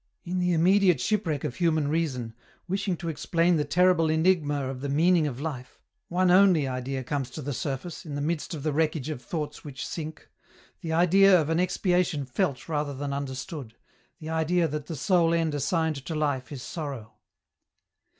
In the immediate shipwreck of human reason, wishing to explain the terrible enigma of the meaning of life, one only idea comes to the surface, in the midst of the wreckage of thoughts which sink, the idea of an expiation felt rather than understood, the idea that the. sole end assigned to life is sorrow.